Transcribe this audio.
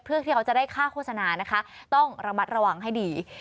เพื่อที่เขาจะได้ค่าโฆษณานะคะต้องระมัดระวังให้ดี